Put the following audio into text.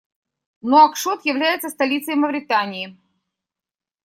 Нуакшот является столицей Мавритании.